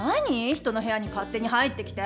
人の部屋に勝手に入ってきて。